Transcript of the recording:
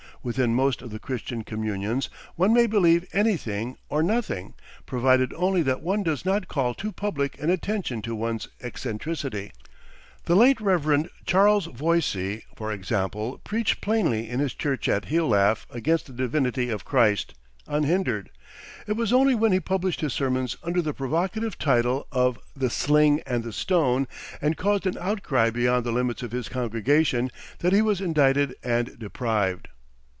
Within most of the Christian communions one may believe anything or nothing, provided only that one does not call too public an attention to one's eccentricity. The late Rev. Charles Voysey, for example, preached plainly in his church at Healaugh against the divinity of Christ, unhindered. It was only when he published his sermons under the provocative title of "The Sling and the Stone," and caused an outcry beyond the limits of his congregation, that he was indicted and deprived.